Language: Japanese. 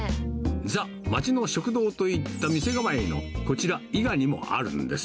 ザ・町の食堂といった店構えのこちら、伊賀にもあるんです。